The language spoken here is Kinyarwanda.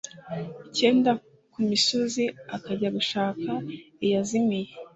icyenda ku misozi akajya gushaka iyazimiye